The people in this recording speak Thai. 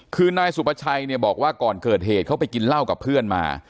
คือนายสุประชัยเนี่ยบอกว่าก่อนเกิดเหตุเขาไปกินเหล้ากับเพื่อนมา